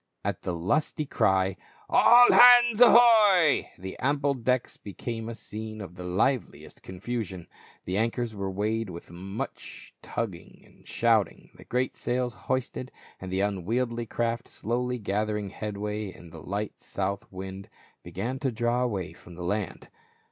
At the lusty cry, "All hands ahoy!" the ample decks became a scene of the liveliest confusion ; the anchors were weighed with much tugging and shout ing, the great sails hoisted, and the unwieldly craft, slowly gathering headway in the light south wind, began to draw away from the land.